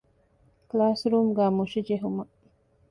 ކްލާސްރޫމުގައި މުށި ޖެހުމަށް